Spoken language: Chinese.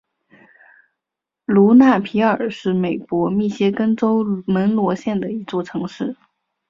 卢纳皮尔是美国密歇根州门罗县的一座城市。